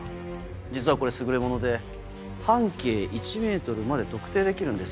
実はこれ優れもので半径１ｍまで特定できるんですよ。